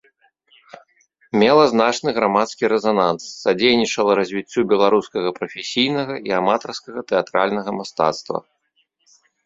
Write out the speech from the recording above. Мела значны грамадскі рэзананс, садзейнічала развіццю беларускага прафесійнага і аматарскага тэатральнага мастацтва.